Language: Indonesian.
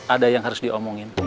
ada yang harus diomongin